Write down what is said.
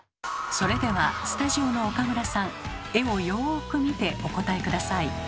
それではスタジオの岡村さん絵をよく見てお答え下さい。